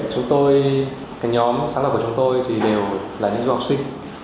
chúng tôi cái nhóm sáng lập của chúng tôi thì đều là những du học sinh